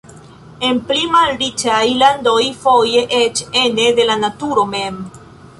En pli malriĉaj landoj foje eĉ ene de la naturo mem.